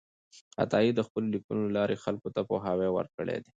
عطایي د خپلو لیکنو له لارې خلکو ته پوهاوی ورکړی دی.